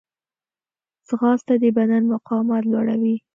ځغاسته د بدن مقاومت لوړوي